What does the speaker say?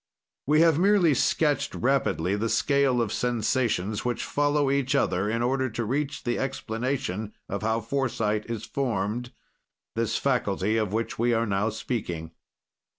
"We have merely sketched rapidly the scale of sensations which follow each other, in order to reach the explanation of how foresight is formed, this faculty of which we are now speaking.